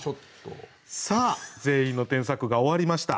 さあ全員の添削が終わりました。